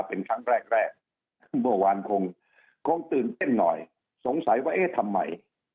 เป็นครั้งแรกแรกเมื่อวานคงตื่นเต้นหน่อยสงสัยว่าเอ๊ะทำไม